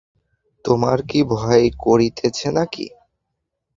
তোমার কি ভয় করিতেছে নাকি?